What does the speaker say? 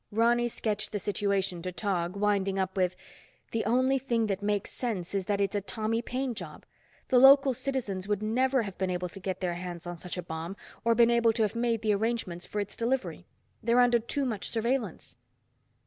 Ronny sketched the situation to Tog, winding up with, "The only thing that makes sense is that it's a Tommy Paine job. The local citizens would never have been able to get their hands on such a bomb, or been able to have made the arrangements for its delivery. They're under too much surveillance."